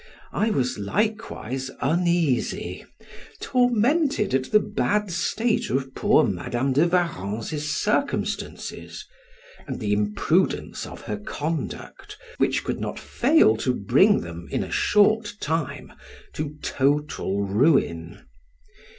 I was likewise uneasy, tormented at the bad state of poor Madam de Warrens' circumstances, and the imprudence of her conduct, which could not fail to bring them, in a short time, to total ruin.